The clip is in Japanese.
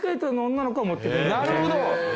なるほど。